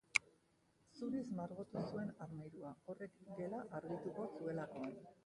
Zuriz margotu zuen armairua, horrek gela argituko zuelakoan